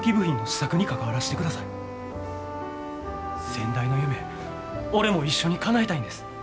先代の夢俺も一緒にかなえたいんです。